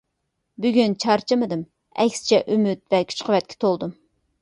بۈگۈن چارچىمىدىم. ئەكسىچە ئۈمىد ۋە كۈچ-قۇۋۋەتكە تولدۇم.